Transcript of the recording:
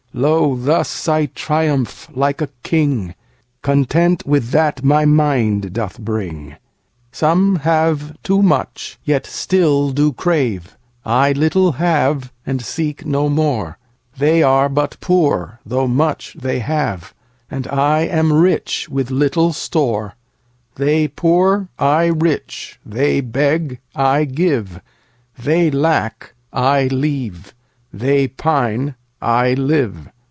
Lo, thus I triumph like a king, Content with that my mind doth bring. Some have too much, yet still do crave;I little have, and seek no more. They are but poor, though much they have, And I am rich with little store; They poor, I rich; they beg, I give; They lack, I leave; they pine, I live.